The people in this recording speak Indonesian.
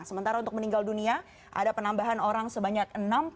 sementara untuk meninggal dunia ada penambahan orang sebanyak enam puluh